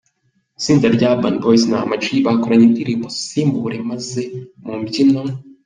itsinda rya Urban Boyz na Ama-G bakoranye indirimbo Simubure maze mu mbyino.